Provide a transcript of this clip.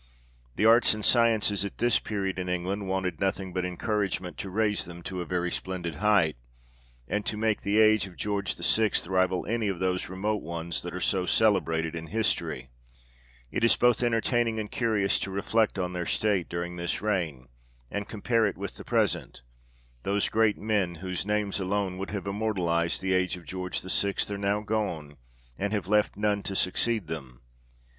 The Arts and Sciences at this period, in England, wanted nothing but encouragement to raise them to a very splendid height, and to make the age of George VI. rival any of those remote ones that are so celebrated in history. It is both entertaining and curious to reflect on their state during this reign, and compare it with the present ; those great men whose names alone would have immortalized the age of George VI. are now gone, and have left none to succeed them.